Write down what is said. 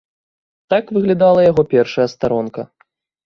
Так выглядала яго першая старонка.